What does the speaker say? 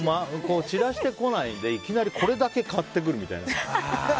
散らしてこないでこれだけ買ってくるみたいな。